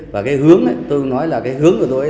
và cái hướng ấy tôi nói là cái hướng của tôi